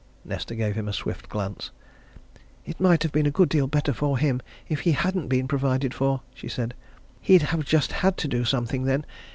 Nesta gave him a swift glance. "It might have been a good deal better for him if he hadn't been provided for!" she said. "He'd have just had to do something, then.